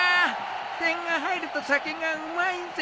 点が入ると酒がうまいぜ。